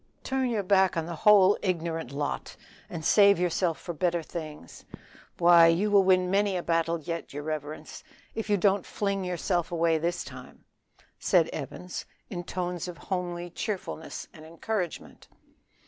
"Turn your back on the whole ignorant lot, and save yourself for better things. Why, you will win many a battle yet, your reverence, if you don't fling yourself away this time," said Evans in tones of homely cheerfulness and encouragement.